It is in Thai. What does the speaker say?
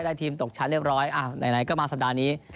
ทีมตกชั้นเรียบร้อยไหนก็มาสัปดาห์นี้